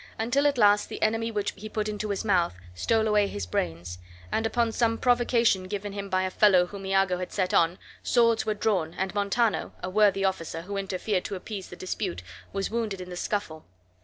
Until at last the enemy which he put into his mouth stole away his brains; and upon some provocation given him by a fellow whom Iago had set on, swords were drawn, and Montano, a worthy officer, who interfered to appease the dispute, was wounded in the scuffle.